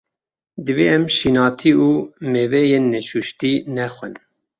Divê em şînatî û mêweyên neşuştî, nexwin.